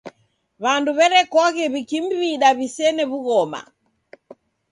W'andu w'erekoghe w'ikimwida w'isene w'ughoma.